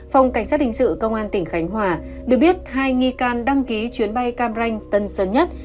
phòng cảnh sát hình sự công an tỉnh khánh hòa được biết hai nghi can đăng ký chuyến bay cam ranh tân sơn nhất